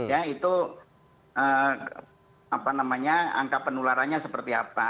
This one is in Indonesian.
ya itu angka penularannya seperti apa